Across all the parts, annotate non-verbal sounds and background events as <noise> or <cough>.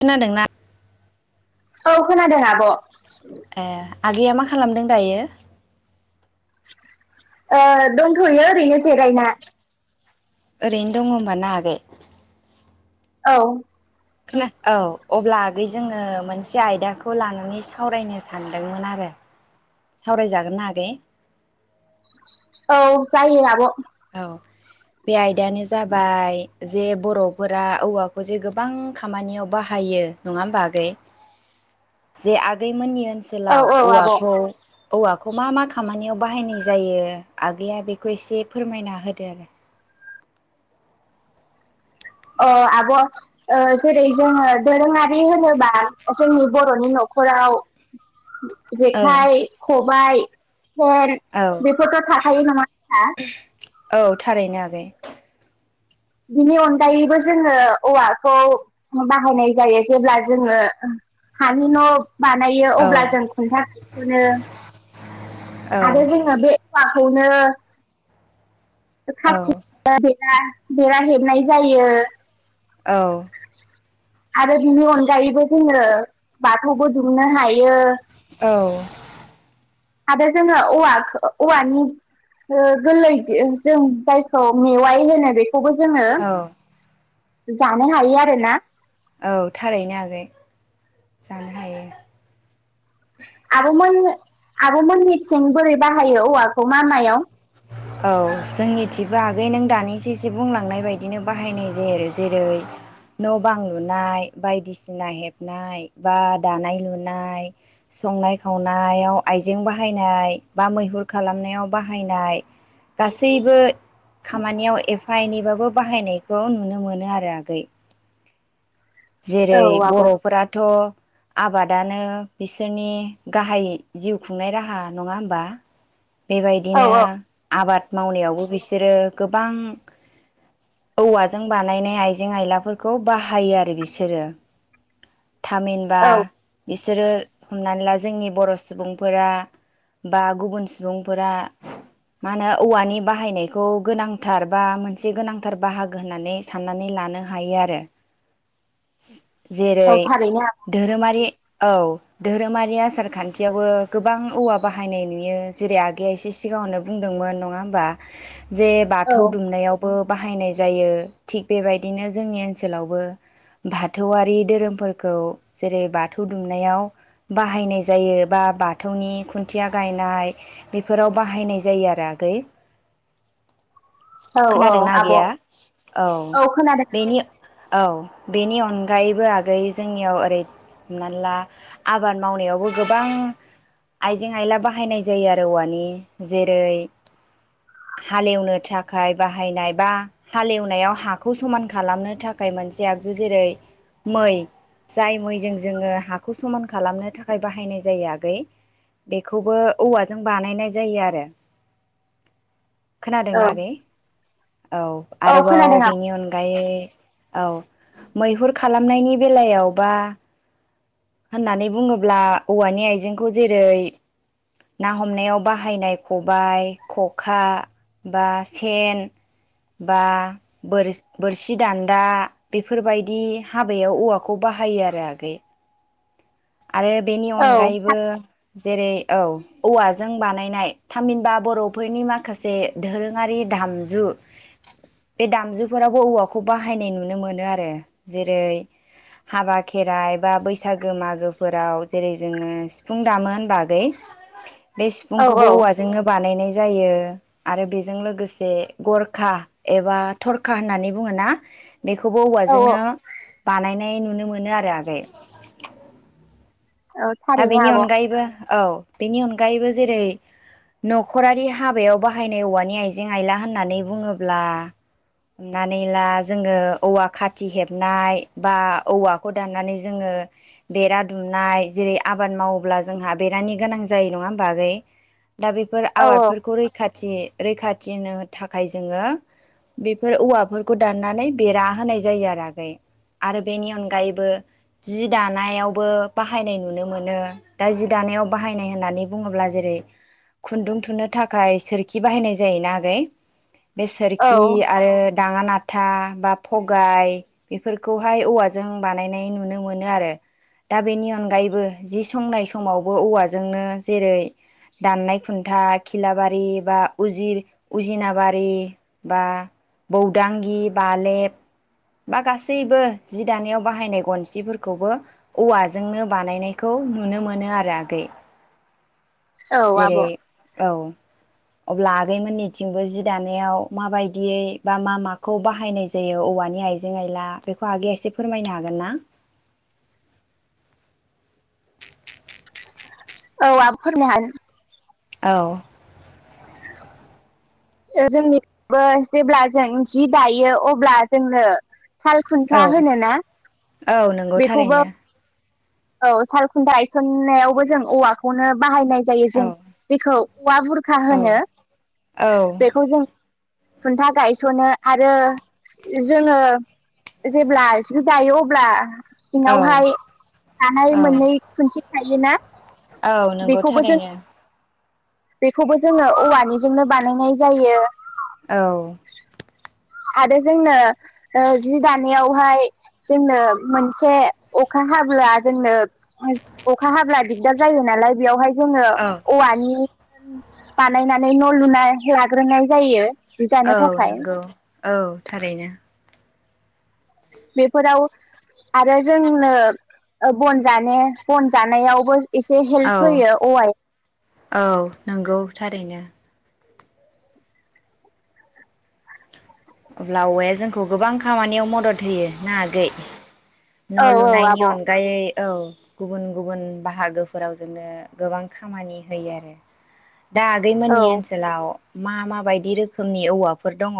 खोनादोंना औ खोनादों आं ब ए आगैया मा खालामदों दायो ओ दंथ'यो ओरैनो जेरायना ओरैनो दङ होमबा ना आगै औ खोलाय औ अब्ला आगै जोङो मोनसे आयदाखौ लानानै सावरायनो सानदोंमोन आरो सावरायजागोनना आगै औ जायो आब' अ बे आयदायानो जाबाय जे बर'फोरा औवाखौ जे गोबां खामानियाव बाहायो नङा होमबा आगै जे आगै मोननि ओनसोलाव औ आब' औवाखौ अ औवाखौ मा मा खामानियाव बाहायनाय जायो आगैया बेखौ एसे फोरमायना होदो आरो अ आब' ओ जेरै जोङो दोरोङारि होनोबा जोंनि बर'नि न'खराव जेखाय ख' बाइ सेन आरो बेफोरथ' थाखायो नङा होनबा औ थारैनो आगै बिनि अनगायैबो जोङो औवाखौ बाहायनाय जायो जेब्ला जोङो हानि न' बानायो औ अब्ला जों औ बाखौनो औ <unintelligible> बेराहेबनाय जायो औ आरो बिनि अनगायैबो जोङो बाथौबो दुमनो हायो औ आरो जोङो औवा औवानि गोरलै जों जायखौ मेवाइ होनो बे खौबो जोङो औ जानो हायो आरो ना औ थारैनो आगै जानो हायो आब'मोन आब'मोन निथिं बोरै बाहायो औवाखौ मा मायाव औ जोंनिथिबो आगै नों दानिसो एसो बुंलांनाय बायदिनो बाहायनाय जायो आरो जेरै न' बां लुनाय बायदिसिना हेबनाय बा दानाय लुनाय संनाय खावनायाव आइजें बाहायनाय बा मैहुर खालामनायाव बाहायनाय गासैबो खामानियाव एफा एनैबाबो बाहायनायखौ नुनो मोनो आरो आगै औ जेरै आब' बर'फोराथ' आबादानो बिसोरनि गाहाय जिउ खुंनाय राहा नङा होमबा औ बेबायदिनो आबाद मावनायावबो बिसोरो गोबां बिसोरो थामहिनबा औ बिस बिसोरो हमनानै ला जोंनि बर' सुबुंफोरा बा गुबुन सुबुंफोरा मा होनो औवानि बाहायनायखौ गोनांथार बा मोनसे गोनांथार बाहागो होननानै साननानै लानो हायो आरो <unintelligible> औ जेरै थारैनो आब' धोरोमारि औ धोरोमारि आसार खान्थियावबो गोबां औवा बाहायनाय नुयो जेरै आगैया एसे सिगाङावनो बुंदोंमोन नङा होमबा जे औ बाथौ दुमनायावबो बाहायनाय जायो थिग बेबायदिनो जोंनि ओनसोलावबो बाथौआरि धोरोमफोरखौ जेरै बाथौ दुमनायाव बाहायनाय जायो बा बाथौनि खुन्थिया गायनाय बेफोराव बाहायनाय जायो आरो आगै औ औ खोनादोंना आब' आगैया औ औ खोनादों बेनि औ बेनि अनगायैबो आगै जोंनियाव ओरै हमना ला आबाद मावनायावबो गोबां आइजें आयला बाहायनाय जायो आरो औवानि जेरै हालेवनो थाखाय बाहायनाय बा हालेवनायाव हाखौ समान खालामनो थाखाय मोनसे आ जु जेरै मै जाय मैजों जोङो हाखौ समान खालामनो थाखाय बाहायनाय जायो आगै बेखौबो औवाजों बानायनाय जायो आरो औ खोनादोंना आगै औ औ आरोबाव खोनादों आब' बेनि अनगायै औ मैहुर खालामनायनि बेलायावबा होननानै बुङोब्ला औवानि आइजेंखौ जेरै ना हमनायाव बाहायनाय खबाइ खखा बा सेन बा बोर बोरसि दान्दा बेफोरबायदि हाबायाव औवाखौ बाहायो आरो आगै आरो बेनि औ अनगायैबो जेरै औ औवाजों बानायनाय थामहिनबा बर'फोरनि माखासे दोरोङारि दामजु बे दामजुफोरावबो औवाखौ बाहायनाय नुनो मोनो आरो जेरै हाबा खेराइ बा बैसागो मागोफोराव जेरै जोङो सिफुं दामोन होनबा आगै बे औ सिफुंखौबो औवाजोंनो बानायनाय जायो आरो बेजों लोगोसे गरखा एबा थरखा होननानै बुङो ना बेखौबो औ औवाजोंनो बानायनाय नुनो मोनो आरो आगै औ दा थारैनो बेनि आब' अनगायैबो औ बेनि अन गायैबो जेरै न'खरारि हाबायाव बाहायनाय औवानि आइजें आइला होननानै बुङोब्ला हमनानै ला जोङो औवा खाथि हेबनाय बा औवाखौ दाननानै जोङो बेरा दुमनाय जेरै आबाद मावोब्ला जोंहा बेरानि गोनां जायो नङा होमबा आगै दा बेफोर औ आबादफोरखौ रैखाथि रैखाथिनो थाखाय जोङो बेफोर औवाफोरखौ दाननानै बेरा होनाय जायो आरो आगै आरो बेनि अनगायैबो जि दानायावबो बाहायनाय नुनो मोन नो दा जि दानायाव बाहायनाय होननानै बुङोब्ला जेरै खुन्दुं थुन्नो थाखाय सोरखि बाहायनाय जायोना आगै बे सोरखि औ आरो दाङा नाथ था बा फगाय बेफोरखौहाय औवाजों बानायनाय नुनो मोनो आरो दा बेनि अनगायैबो जि संनाय समावबो औवाजोंनो जेरै दाननाय खुन्था खिलाबारि बा उजिर उजिनाबारि बा बौदांगि बालेब बा गासैबो जि दानायाव बाहायनाय गनसिफोरखौबो औवाजोंनो बानायनायखौ नुनो मोनो आरो आगै औ आब' जेरै औ अब्ला आगै मोननिथिंबो जि दानायाव माबायदियै बा मा माखौ बाहायनाय जायो औवानि आइजें आइला बेखौ आगैया एसे फोरमायनो हागोन ना औ आब' <unintelligible> औ <inaudible> <unintelligible> जेब्ला जों जि दायो अब्ला जोंनो साल खुन्था औ होनो ना औ नोंगौ थारैनो औ सालखुन्था गायसननायावबो जों औवाखौनो बाहायनाय जायो जों औ बेखौ औवा बुरखा औ होनो औ बेखौ जों खुन्था गायस'नो आरो जोङो जेब्ला जि दायो अब्ला औ सिङाव हाय थानाय औ मोननै खुन्थि थायो ना औ नोंगौ थारैनो बेखौबो जोङो औवानिजोंनो बानायनाय जायो औ आरो जोंनो ओ जि दानायावहाय जोंनो मोनसे अखा हाब्ला जोंनो ओइ अखा हाब्ला दि दार जायो नालाय बेयावहाय जोङो औ औवानि बानायनानै न' लुना लाग्रोनाय जायो जि दानो औ थाखाय नंगौ औ थारैनो बेफोराव आरो जोंनो ओ बन जाने बन जानायावबो एसे औ हेल्प होयो औवाया औ नोंगौ थारैनो अब्ला औवाया जोंखौ गोबां खामानियाव मदद होयो ना आगै न' औ औ लुनायनि आब' औ अनगायै औ गुबुन गुबुन बाहागोफोराव जोंनो गोबां खामानि होयो आरो दा आगै मोननि ओनसोलाव मा मा बायदि रोखोमनि औवाफोर दङ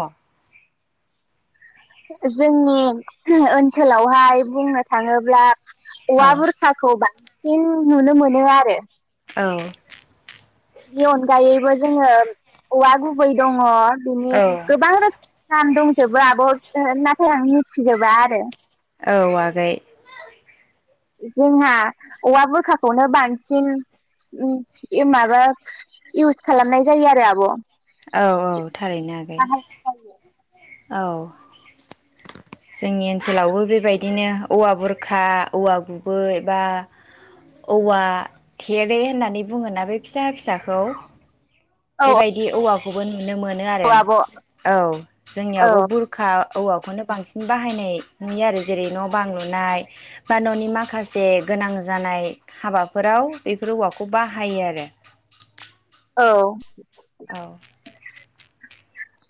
जोंनि ओनसोलावहाय बुंनो थाङोब्ला औवा बुरखाखौ बांसिन खौ नुनो मोनो आरो औ बिनि अनगायैबो जोङो औवा गुबै दङ बिनो औ गोबां रोखोम नाम दं जबो आब' नाथाय आं मिथिजोबा आरो औ आगै जोंहा औवा बुरखाखौनो बांसिन माबा इउस खालामनाय जायो आरो आब' औ औ थारैनो आगै औ औ जोंनि ओनसोलावबो बेबायदिनो औवा बुरखा औवा गुबै बा औवा थेरे होननानै बुङोना बे फिसा फिसाखौ औ बेबायदि औवाखौबो नुनो मोनो आरो आब' औ औ जोंनियावबो बुरखा ओ औवाखौनो बांसिन बायनाय नुयो आरो जेरै न' बां लुनाय बा न'नि माखासे गोनां जानाय हाबाफोराव बेफोर औवाखौ बाहायो आरो औ आव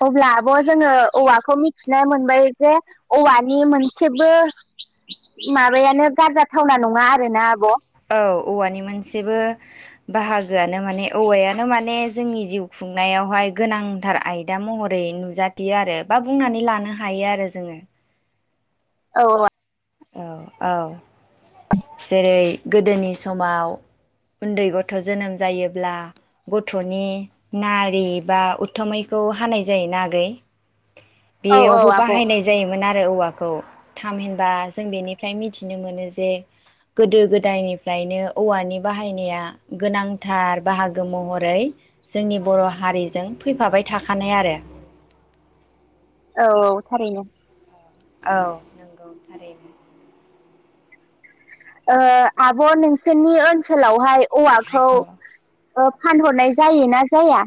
अब्ला आब' जोङो औवाखौ मिथिनो मोनबाय जे औवानि मोनसेबो माबायानो गारजाथावना नङा आरोना आब' औ औवानि मोनसेबो बाहागोआनो माने औवायानो माने जोंनि जिउ खुंनायावहाय गोनांथार आयदा महरै नुजाथियो आरो बा बुंनानै लानो हायो आरो जोङो औ आ औ औ जेरै गोदोनि समाव उन्दै गथ' जोनोम जायोब्ला गथ'नि नारि बा उथ्थुमैखौ हानाय जायोन आगै औ औ बेयावबो आब' औ बाहायनाय जायोमोन आरो औवाखौ थामहिनबा जों बेनिफ्राय मिथिनो मोनो जे गोदो गोदायनिफ्रायनो औवानि बाहायनाया गोनांथार बाहागो महरै जोंनि बर' हारिजों फैफाबाय थाखानाय आरो औ थारैनो औ नंगौ थारैनो आब' नोंसोरनि ओनसोलावहाय औवाखौ फानहरनाय जायो ना जाया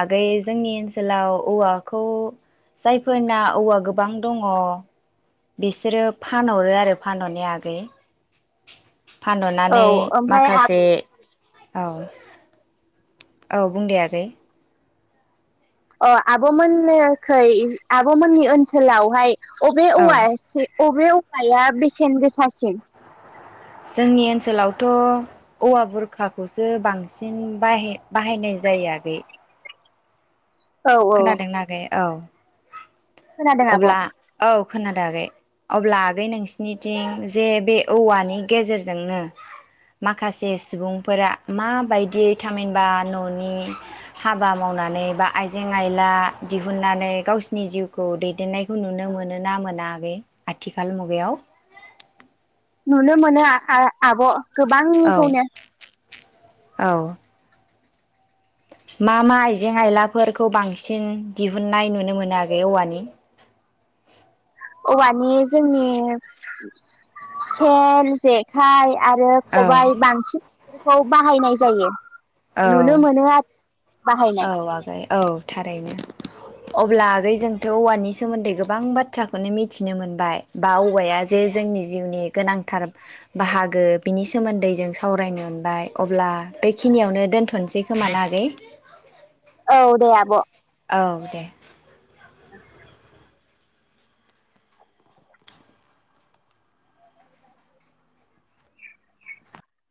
आगै जोंनि ओनसोलाव औवाखौ जायफोरना औवा गोबां दङ बिसोरो फानहरो आरो फानहरनाया आगै औ फानह'नानै ओमफ्राय माखासे औ औ बुंदे आगै अ आब'मोननिखै आब'मोननि ओनसोलावहाय अबे औ औवाया अबे औवाया बेसेन गोसासिन जोंनि ओनसोलावथ' औवा बुरखाखौसो बांसिन बाहायनाय जायो आगै औ औ खोनादोंना आगै औ खोनादों आब' अब्ला औ खोनादों आगै अब्ला आगै नोंसिनिथिं जे बे औवानि गेजेरजोंनो माखासे सुबुंफोरा माबायदि थामहिनबा न'नि हाबा मावनानै बा आइजें आइला दिहुननानै गावसिनि सिनि जिउखौ दैदेननायखौ नुनो मोनो ना मोना आगै आथिखाल मुगायाव नुनो मोनो आब' औ गोबांनिखौनो औ मा मा आइजें आइलाफोरखौ बांसिन दिहुनन्नाय नुनो मोनो आगै औवानि औवानि जोंनि सेन जेखाइ आरो औ खबाइ बांसिन खौ बाहायनाय जायो औ नुनो मानो आरो बाहायनाय औ आगै औ थारैनो अब्ला आगै जोंथ' औवानि सोमोन्दै गोबां बाथ्राखौनो मिथिनो मोनबाय बा औवाया जे जोंनि जिउनि गोनांथार बाहागो बिनि सोमोन्दै जों सावरायनो मोनबाय अब्ला बेखिनियावनो दोनथ'नोसै खोमाना आगै औ औ दे आब' औ दे